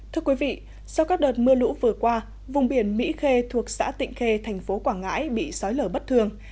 thưa quý vị sau các đợt mưa lũ vừa qua vùng biển mỹ khê thuộc xã tịnh khê thành phố quảng ngãi bị sói lở bất thường